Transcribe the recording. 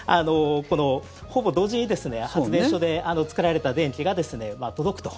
ほぼ同時に発電所で作られた電気が届くと。